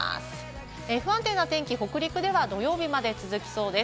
不安定な天気、北陸では土曜日まで続きそうです。